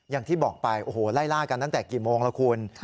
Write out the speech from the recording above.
อย่างที่บอกไปโอ้โหไล่ล่ากันตั้งแต่กี่โมงแล้วคุณ